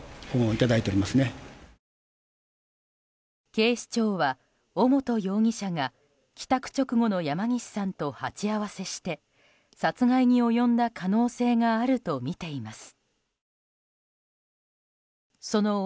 警視庁は尾本容疑者が帰宅直後の山岸さんと鉢合わせして、殺害に及んだ可能性があるとみています。